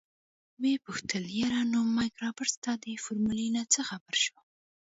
ويې پوښتل يره نو مايک رابرټ ستا د فارمولې نه څه خبر شو.